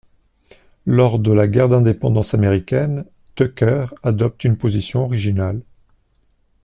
Lors de la guerre d'indépendance américaine, Tucker adopte une position originale.